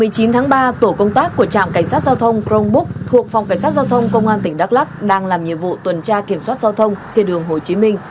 chiều một mươi chín tháng ba tổ công tác của trạm cảnh sát giao thông chromebook thuộc phòng cảnh sát giao thông công an tỉnh đắk lắc đang làm nhiệm vụ tuần tra kiểm soát giao thông trên đường hồ chí minh